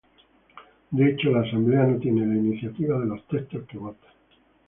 De hecho, la asamblea no tiene la iniciativa de los textos que vota.